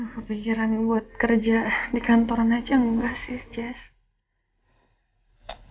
kepikiran buat kerja di kantoran aja enggak sih jess